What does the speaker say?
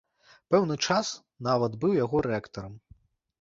Пэўны час нават быў яго рэктарам.